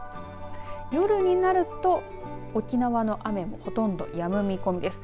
夜になると沖縄の雨もほとんどやむ見込みです。